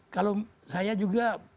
kalau saya juga